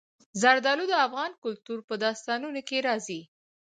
زردالو د افغان کلتور په داستانونو کې راځي.